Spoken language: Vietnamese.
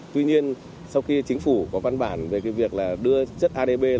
tuy nhiên sau khi chính phủ có văn bản về việc đưa chất adb